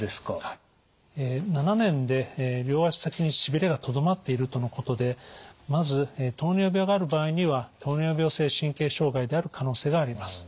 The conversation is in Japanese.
７年で両足先にしびれがとどまっているとのことでまず糖尿病がある場合には糖尿病性神経障害である可能性があります。